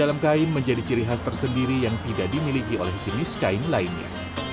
dalam kain menjadi ciri khas tersendiri yang tidak dimiliki oleh jenis kain lainnya